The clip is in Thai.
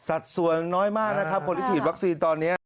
สัดส่วนน้อยมากนะครับคนที่ฉีดวัคซีนตอนนี้